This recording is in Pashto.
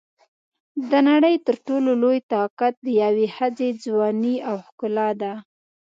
د نړۍ تر ټولو لوی طاقت د یوې ښځې ځواني او ښکلا ده.